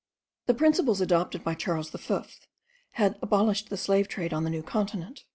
The principles adopted by Charles V had abolished the slave trade on the New Continent.